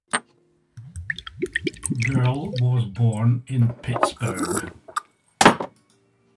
Girl was born in Pittsburgh.